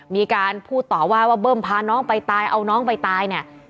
มีการพูดต่อว่าว่าเบิ้มพาน้องไปตายเอาน้องไปตายเนี่ย